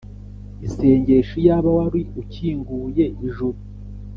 isengesho: iyaba wari ukinguye ijuru!